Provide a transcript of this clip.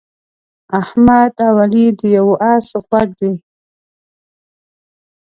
احمد او علي د یوه اس غوږ دي.